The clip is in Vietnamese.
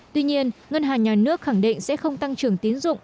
tuy nhiên ngân hàng nhà nước khẳng định sẽ không tăng trưởng tín dụng